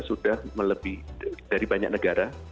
sudah melebih dari banyak negara